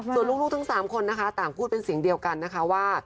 ส่วนลูกทั้ง๓คนนะคะต่างพูดเป็นเสียงเดียวกันนะคะว่า